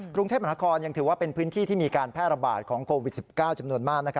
กรุงเทพมหานครยังถือว่าเป็นพื้นที่ที่มีการแพร่ระบาดของโควิด๑๙จำนวนมาก